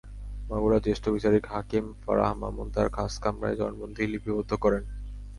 মাগুরার জ্যেষ্ঠ বিচারিক হাকিম ফারাহ মামুন তাঁর খাসকামরায় জবানবন্দি লিপিবদ্ধ করেন।